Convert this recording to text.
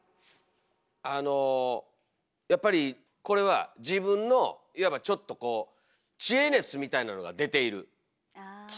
あのやっぱりこれは自分のいわばちょっとこう知恵熱が出ている！